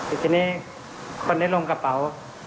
อีกทีนี้คนนิดลงกระเป๋า